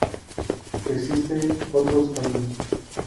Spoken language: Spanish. Existe otros caminos.